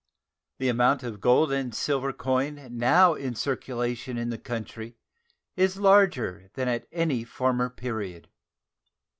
The amount of gold and silver coin now in circulation in the country is larger than at any former period.